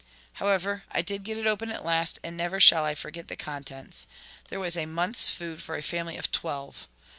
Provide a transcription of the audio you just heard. However, I did get it open at last, and never shall I forget the contents. There was a month's food for a family of twelve.